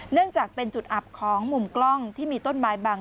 เนื่องจากเป็นจุดอับของมุมกล้องที่มีต้นไม้บัง